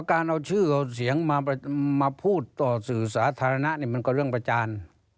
การเอาชื่อเอาเสียงมาพูดต่อสื่อสาธารณะนี่มันก็เรื่องประจาน